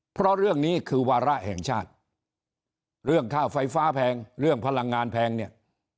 เพราะเรื่องนี้คือวาระแห่งชาติเรื่องค่าไฟฟ้าแพงเรื่องพลังงานแพงเนี่ย